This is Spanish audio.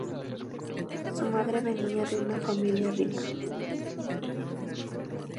Su madre venia de una familia rica.